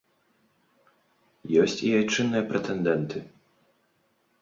Ёсць і айчынныя прэтэндэнты.